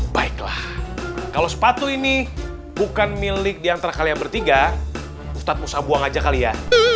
baiklah kalau sepatu ini bukan milik di antara kalian bertiga ustadz musta buang aja kali ya